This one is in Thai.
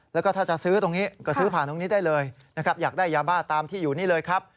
แล้วก็ถ้าจะซื้อตรงนี้ก็ซื้อผ่านตรงนี้ได้เลยนะครับอยากได้ยาบ้าตามที่อยู่นี่เลยครับ